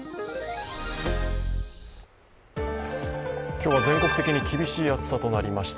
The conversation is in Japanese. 今日は全国的に厳しい暑さとなりました。